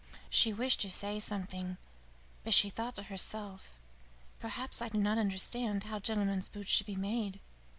She wished to say something, but she thought to herself: "Perhaps I do not understand how gentleman's boots should be made.